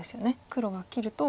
黒が切ると。